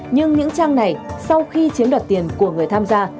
nhưng những trang này sau khi chiếm đoạt tiền của người tham gia